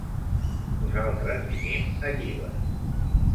Nosaltres vivim a Llíber.